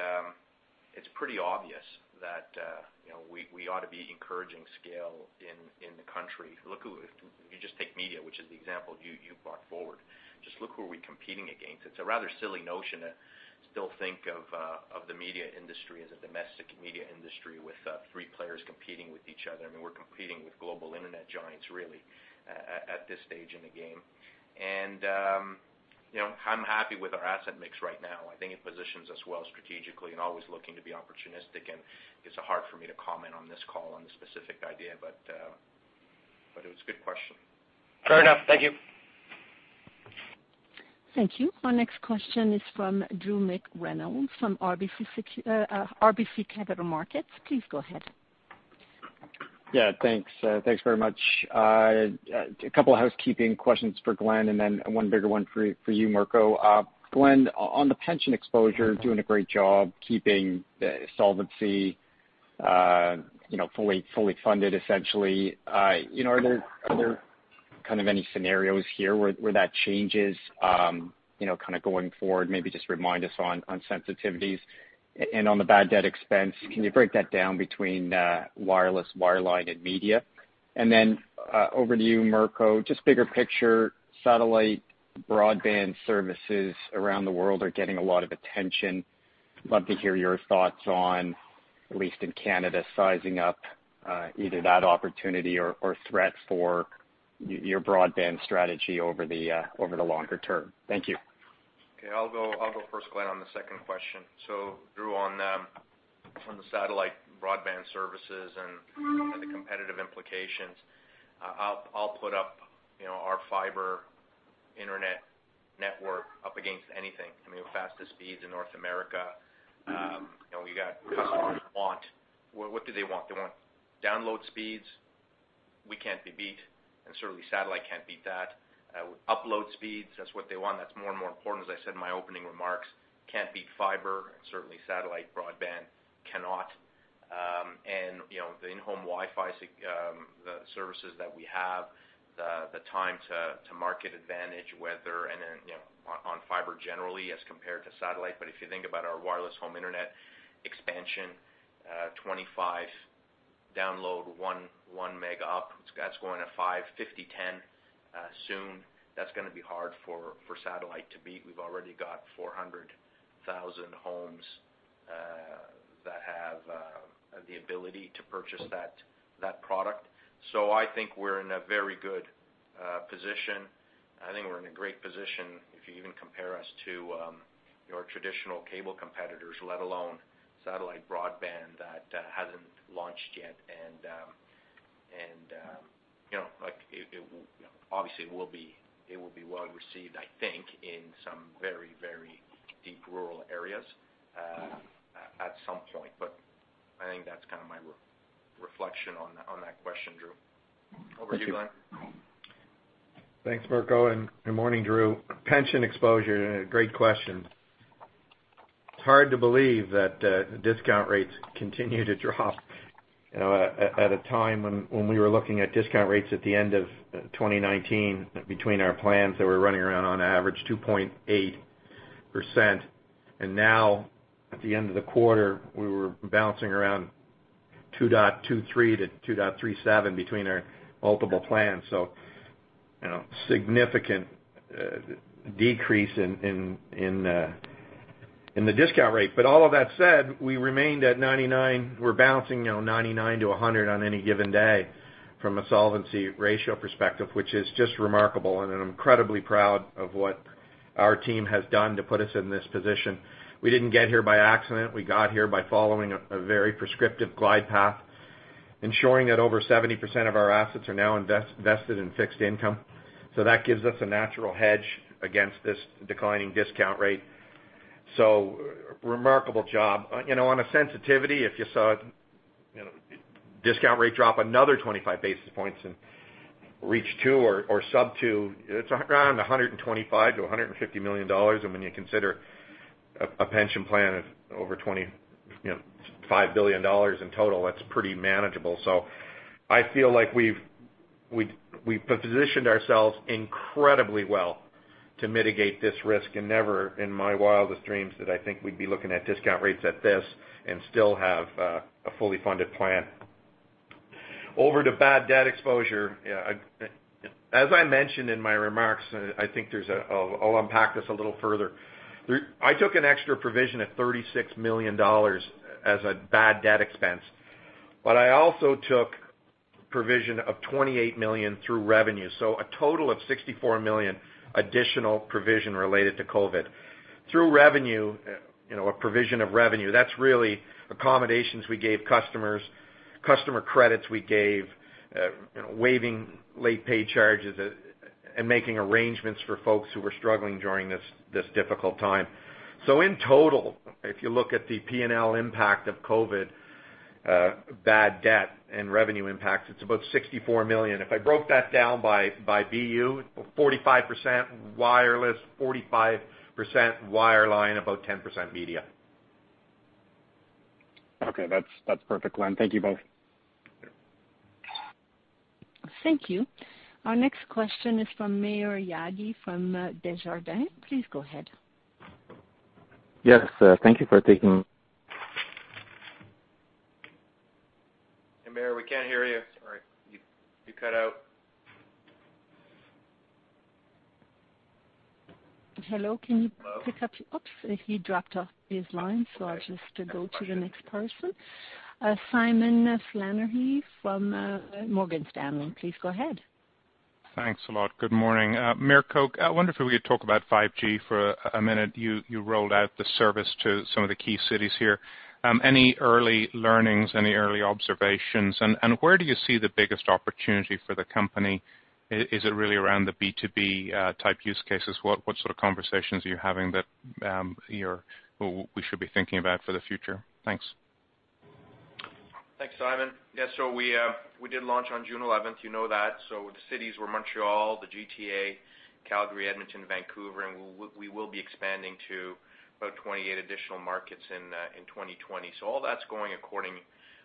is pretty obvious that we ought to be encouraging scale in the country. If you just take media, which is the example you brought forward, just look who are we competing against. It's a rather silly notion to still think of the media industry as a domestic media industry with three players competing with each other. I mean, we're competing with global Internet giants, really, at this stage in the game. I'm happy with our asset mix right now. I think it positions us well strategically and always looking to be opportunistic. It's hard for me to comment on this call on the specific idea, but it was a good question. Fair enough. Thank you. Thank you. Our next question is from Drew McReynolds from RBC Capital Markets. Please go ahead. Yeah. Thanks. Thanks very much. A couple of housekeeping questions for Glen, and then one bigger one for you, Mirko. Glen, on the pension exposure, doing a great job keeping the solvency fully funded, essentially. Are there kind of any scenarios here where that changes kind of going forward? Maybe just remind us on sensitivities. And on the bad debt expense, can you break that down between Wireless, Wireline, and media? Then over to you, Mirko. Just bigger picture, satellite broadband services around the world are getting a lot of attention. Love to hear your thoughts on, at least in Canada, sizing up either that opportunity or threat for your broadband strategy over the longer term. Thank you. Okay. I'll go first, Glen, on the second question. Drew, on the satellite broadband services and the competitive implications, I'll put up our fiber Internet network up against anything. I mean, with fastest speeds in North America, we got customers that want—what do they want? They want download speeds. We can't be beat. Certainly, satellite can't beat that. Upload speeds, that's what they want. That's more and more important, as I said in my opening remarks. Can't beat fiber. Certainly, satellite broadband cannot. The in-home Wi-Fi, the services that we have, the time to market advantage, whether on fiber generally as compared to satellite. If you think about our Wireless Home Internet expansion, 25 download, 1 meg up, that's going to 5, 50, 10 soon. That's going to be hard for satellite to beat. We've already got 400,000 homes that have the ability to purchase that product. I think we're in a very good position. I think we're in a great position if you even compare us to your traditional cable competitors, let alone satellite broadband that hasn't launched yet. Obviously, it will be well received, I think, in some very, very deep rural areas at some point. I think that's kind of my reflection on that question, Drew. Over to you, Glen. Thanks, Mirko. Good morning, Drew. Pension exposure, great question. It's hard to believe that discount rates continue to drop. At a time when we were looking at discount rates at the end of 2019, between our plans, they were running around on average 2.8%. Now, at the end of the quarter, we were bouncing around 2.23%-2.37% between our multiple plans. Significant decrease in the discount rate. All of that said, we remained at 99. We're bouncing 99-100 on any given day from a solvency ratio perspective, which is just remarkable. I'm incredibly proud of what our team has done to put us in this position. We didn't get here by accident. We got here by following a very prescriptive glide path, ensuring that over 70% of our assets are now invested in fixed income. That gives us a natural hedge against this declining discount rate. Remarkable job. On a sensitivity, if you saw a discount rate drop another 25 basis points and reach 2 or sub 2, it's around 125 million-150 million dollars. When you consider a pension plan of over 25 billion dollars in total, that's pretty manageable. I feel like we've positioned ourselves incredibly well to mitigate this risk. Never in my wildest dreams did I think we'd be looking at discount rates at this and still have a fully funded plan. Over to bad debt exposure. As I mentioned in my remarks, I think I'll unpack this a little further. I took an extra provision of 36 million dollars as a bad debt expense. I also took a provision of 28 million through revenue. A total of 64 million additional provision related to COVID. Through revenue, a provision of revenue, that is really accommodations we gave customers, customer credits we gave, waiving late-paid charges, and making arrangements for folks who were struggling during this difficult time. In total, if you look at the P&L impact of COVID, bad debt, and revenue impacts, it is about 64 million. If I broke that down by BU, 45% Wireless, 45% Wireline, about 10% media. Okay. That is perfect, Glen. Thank you both. Thank you. Our next question is from Maher Yaghi from Desjardins. Please go ahead. Yes. Thank you for taking— Hey, Maher. We cannot hear you. Sorry. You cut out. Hello. Can you pick up? Oops. He dropped off his line. I'll just go to the next person. Simon Flannery from Morgan Stanley. Please go ahead. Thanks a lot. Good morning. Mirko, I wonder if we could talk about 5G for a minute. You rolled out the service to some of the key cities here. Any early learnings, any early observations? Where do you see the biggest opportunity for the company? Is it really around the B2B type use cases? What sort of conversations are you having that we should be thinking about for the future? Thanks. Thanks, Simon. Yeah. We did launch on June 11th. You know that. The cities were Montreal, the GTA, Calgary, Edmonton, Vancouver. We will be expanding to about 28 additional markets in 2020. All that's going according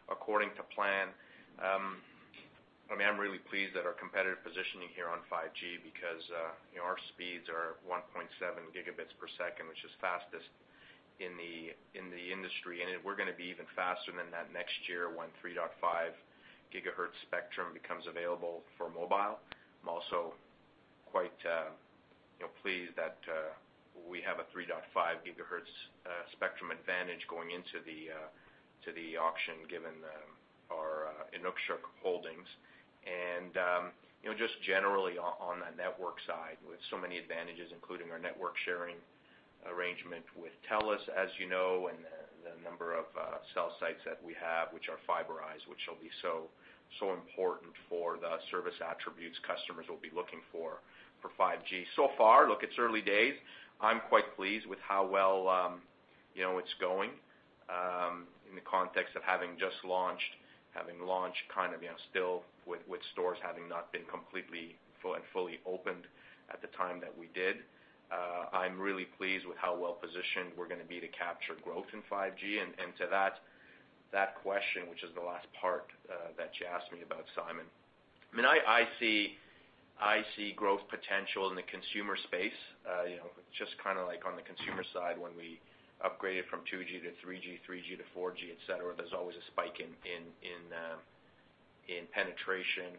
to plan. I mean, I'm really pleased at our competitive positioning here on 5G because our speeds are 1.7 Gbps, which is fastest in the industry. We're going to be even faster than that next year when 3.5 GHz spectrum becomes available for mobile. I'm also quite pleased that we have a 3.5 GHz spectrum advantage going into the auction given our Inukshuk holdings. Just generally on the network side, we have so many advantages, including our network sharing arrangement with TELUS, as you know, and the number of cell sites that we have, which are fiberized, which will be so important for the service attributes customers will be looking for for 5G. So far, look, it's early days. I'm quite pleased with how well it's going in the context of having just launched, having launched kind of still with stores having not been completely and fully opened at the time that we did. I'm really pleased with how well positioned we're going to be to capture growth in 5G. To that question, which is the last part that you asked me about, Simon, I mean, I see growth potential in the consumer space. Just kind of like on the consumer side, when we upgraded from 2G to 3G, 3G to 4G, etc., there's always a spike in penetration,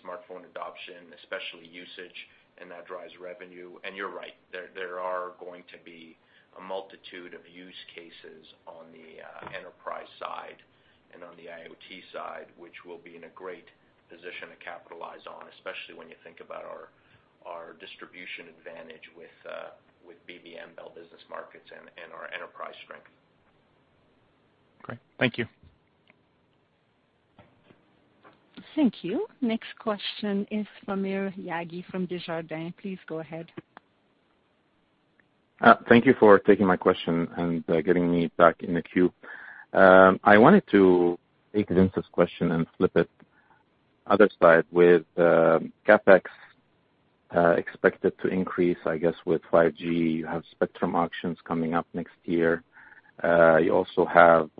smartphone adoption, especially usage, and that drives revenue. You're right. There are going to be a multitude of use cases on the enterprise side and on the IoT side, which we will be in a great position to capitalize on, especially when you think about our distribution advantage with BBM, Bell Business Markets, and our enterprise strength. Great. Thank you. Thank you. Next question is from Maher Yaghi from Desjardins. Please go ahead. Thank you for taking my question and getting me back in the queue. I wanted to take Vince's question and flip it. Other side with CapEx expected to increase, I guess, with 5G. You have spectrum auctions coming up next year. You also have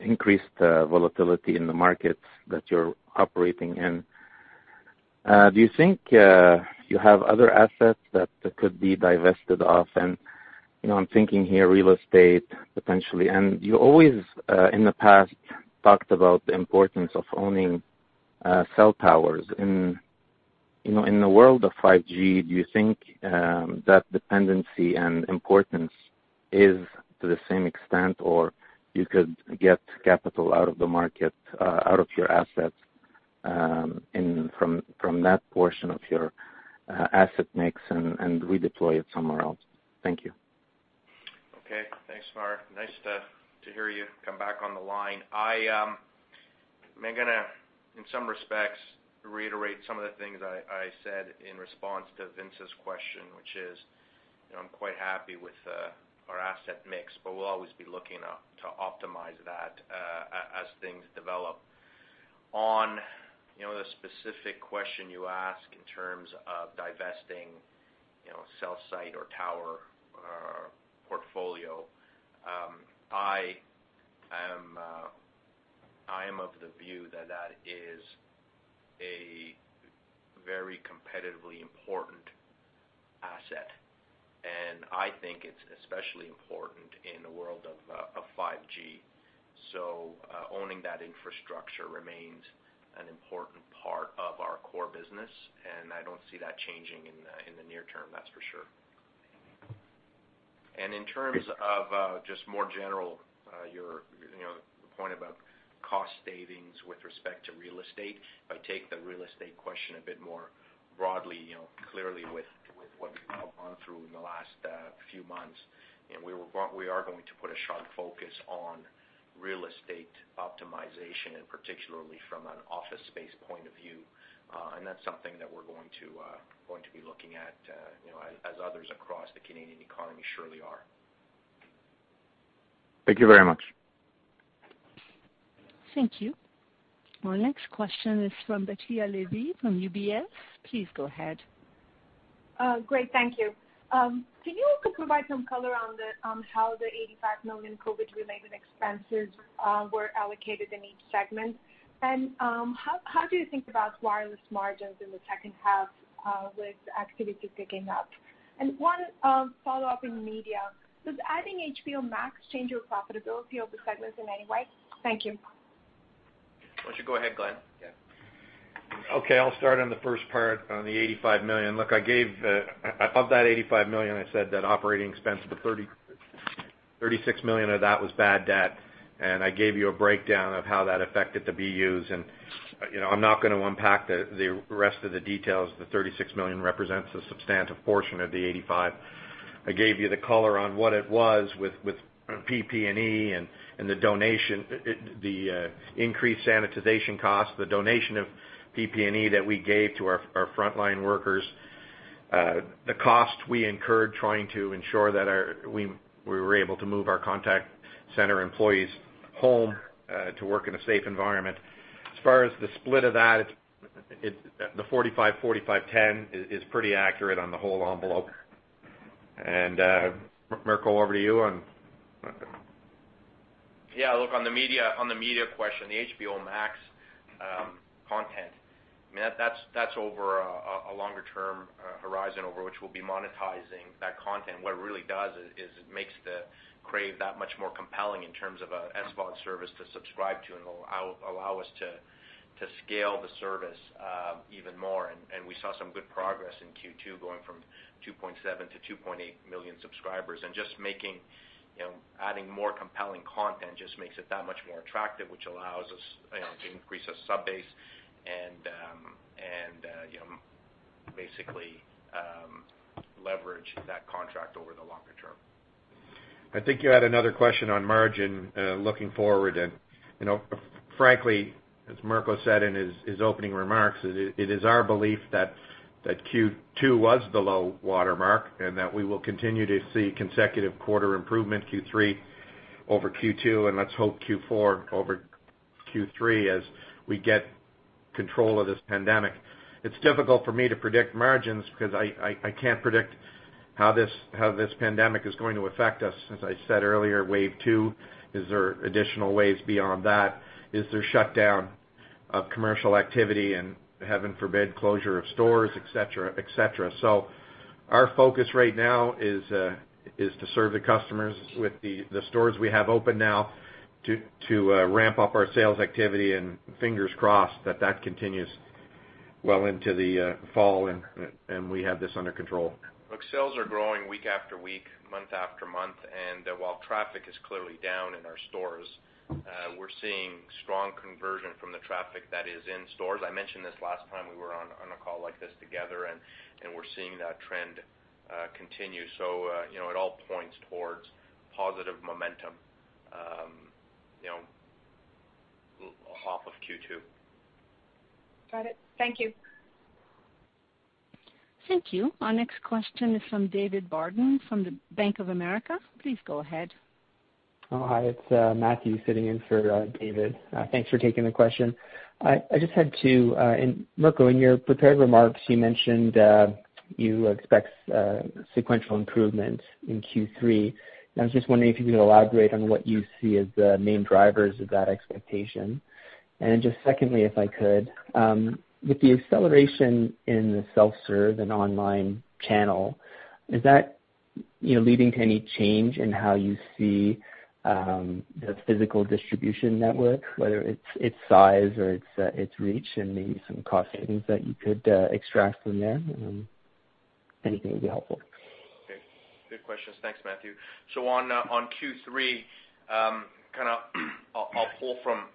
increased volatility in the markets that you are operating in. Do you think you have other assets that could be divested of? I am thinking here real estate, potentially. You always, in the past, talked about the importance of owning cell towers. In the world of 5G, do you think that dependency and importance is to the same extent, or you could get capital out of the market, out of your assets from that portion of your asset mix and redeploy it somewhere else? Thank you. Okay. Thanks, Maher. Nice to hear you come back on the line. I'm going to, in some respects, reiterate some of the things I said in response to Vince's question, which is I'm quite happy with our asset mix, but we'll always be looking to optimize that as things develop. On the specific question you asked in terms of divesting cell site or tower portfolio, I am of the view that that is a very competitively important asset. I think it's especially important in the world of 5G. Owning that infrastructure remains an important part of our core business. I do not see that changing in the near term, that's for sure. In terms of just more general, your point about cost savings with respect to real estate, if I take the real estate question a bit more broadly, clearly with what we have gone through in the last few months, we are going to put a sharp focus on real estate optimization, particularly from an office space point of view. That is something that we are going to be looking at as others across the Canadian economy surely are. Thank you very much. Thank you. Our next question is from Batya Levi from UBS. Please go ahead. Great. Thank you. Can you also provide some color on how the 85 million COVID-related expenses were allocated in each segment? How do you think about Wireless margins in the second half with activity picking up? One follow-up in media. Does adding HBO Max change your profitability of the segments in any way? Thank you. Why don't you go ahead, Glen? Yeah. Okay. I'll start on the first part on the 85 million. Look, I gave of that 85 million, I said that operating expense, the 36 million of that was bad debt. And I gave you a breakdown of how that affected the BUs. I'm not going to unpack the rest of the details. The 36 million represents a substantive portion of the 85 million. I gave you the color on what it was with PP&E and the donation, the increased sanitization costs, the donation of PP&E that we gave to our frontline workers, the cost we incurred trying to ensure that we were able to move our contact center employees home to work in a safe environment. As far as the split of that, the 45, 45, 10 is pretty accurate on the whole envelope. Mirko, over to you. Yeah. Look, on the media question, the HBO Max content, I mean, that's over a longer-term horizon over which we'll be monetizing that content. What it really does is it makes the Crave that much more compelling in terms of an SVOD service to subscribe to and will allow us to scale the service even more. We saw some good progress in Q2 going from 2.7 to 2.8 million subscribers. Just adding more compelling content makes it that much more attractive, which allows us to increase our sub base and basically leverage that contract over the longer term. I think you had another question on margin looking forward. Frankly, as Mirko said in his opening remarks, it is our belief that Q2 was the low-watermark and that we will continue to see consecutive quarter improvement, Q3 over Q2, and let's hope Q4 over Q3 as we get control of this pandemic. It's difficult for me to predict margins because I can't predict how this pandemic is going to affect us. As I said earlier, wave two, is there additional waves beyond that? Is there shutdown of commercial activity and, heaven forbid, closure of stores, etc., etc.? Our focus right now is to serve the customers with the stores we have open now to ramp up our sales activity and fingers crossed that that continues well into the fall and we have this under control. Look, sales are growing week after week, month after month. While traffic is clearly down in our stores, we're seeing strong conversion from the traffic that is in stores. I mentioned this last time we were on a call like this together, and we're seeing that trend continue. It all points towards positive momentum off of Q2. Got it. Thank you. Thank you. Our next question is from David Barden from Bank of America. Please go ahead. Hi. It's Matthew sitting in for David. Thanks for taking the question. I just had to—Mirko, in your prepared remarks, you mentioned you expect sequential improvements in Q3. I was just wondering if you could elaborate on what you see as the main drivers of that expectation. Just secondly, if I could, with the acceleration in the self-serve and online channel, is that leading to any change in how you see the physical distribution network, whether its size or its reach and maybe some cost savings that you could extract from there? Anything would be helpful. Good questions. Thanks, Matthew. On Q3, kind of I'll pull from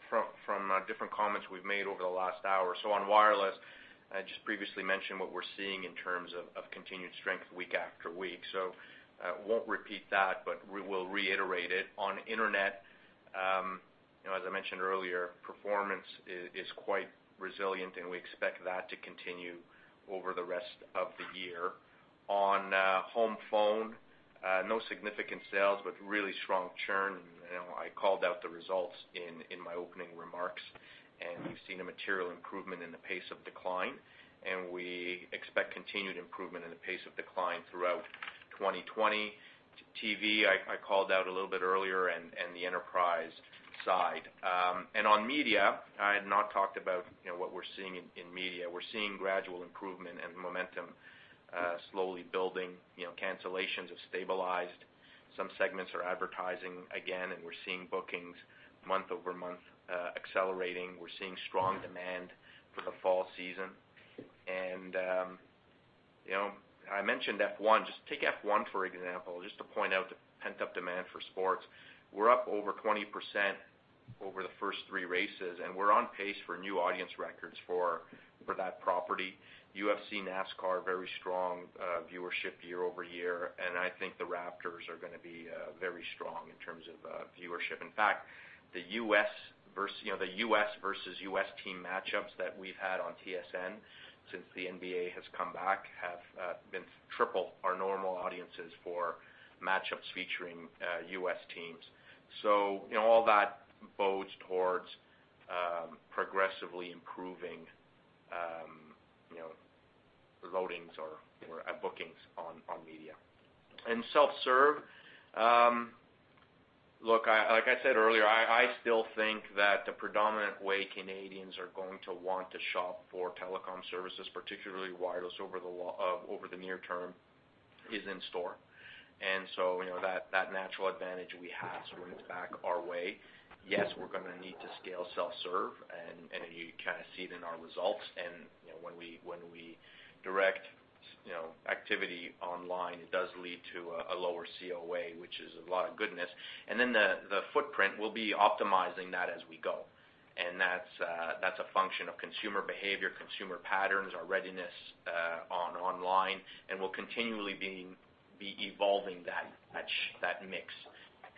different comments we've made over the last hour. On Wireless, I just previously mentioned what we're seeing in terms of continued strength week after week. I won't repeat that, but we will reiterate it. On Internet, as I mentioned earlier, performance is quite resilient, and we expect that to continue over the rest of the year. On home phone, no significant sales, but really strong churn. I called out the results in my opening remarks, and we've seen a material improvement in the pace of decline. We expect continued improvement in the pace of decline throughout 2020. TV, I called out a little bit earlier, and the enterprise side. On media, I had not talked about what we are seeing in media. We are seeing gradual improvement and momentum slowly building. Cancellations have stabilized. Some segments are advertising again, and we are seeing bookings month over month accelerating. We are seeing strong demand for the fall season. I mentioned F1. Just take F1, for example, just to point out the pent-up demand for sports. We are up over 20% over the first three races, and we are on pace for new audience records for that property. UFC, NASCAR, very strong viewership year over year. I think the Raptors are going to be very strong in terms of viewership. In fact, the U.S. versus U.S. team matchups that we've had on TSN since the NBA has come back have been triple our normal audiences for matchups featuring U.S. teams. All that bodes towards progressively improving loadings or bookings on media. Self-serve, like I said earlier, I still think that the predominant way Canadians are going to want to shop for telecom services, particularly Wireless, over the near term is in store. That natural advantage we have swings back our way. Yes, we're going to need to scale self-serve, and you kind of see it in our results. When we direct activity online, it does lead to a lower COA, which is a lot of goodness. The footprint, we'll be optimizing that as we go. That's a function of consumer behavior, consumer patterns, our readiness online. We will continually be evolving that mix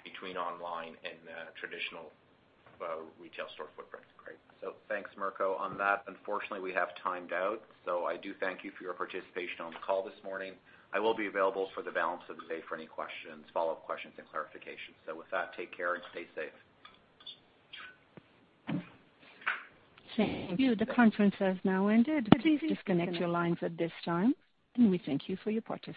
between online and traditional retail store footprint. Great. Thanks, Mirko, on that. Unfortunately, we have timed out. I do thank you for your participation on the call this morning. I will be available for the balance of the day for any questions, follow-up questions, and clarifications. With that, take care and stay safe. Thank you. The conference has now ended. Please disconnect your lines at this time, and we thank you for your participation.